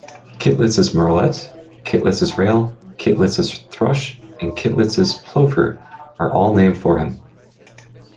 Kittlitz's murrelet, Kittlitz's rail, Kittlitz's thrush and Kittlitz's plover are all named for him.